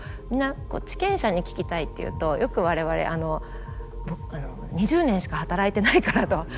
皆知見者に聞きたいっていうとよく我々２０年しか働いてないからと。